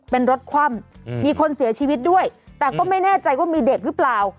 เป็นรถคว่ำมีคนเสียชีวิตด้วยแต่ก็ไม่แน่ใจว่ามีเด็กหรือเปล่า